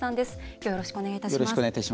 今日はよろしくお願いいたします。